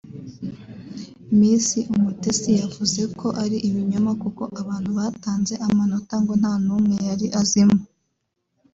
Miss Umutesi yavuze ko ari ibinyoma kuko abantu batanze amanota ngo nta numwe yari azimo